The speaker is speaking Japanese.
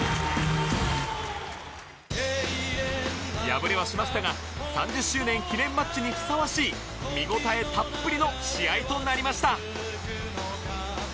敗れはしましたが３０周年記念マッチにふさわしい見応えたっぷりの試合となりました